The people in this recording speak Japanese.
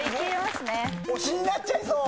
推しになっちゃいそう！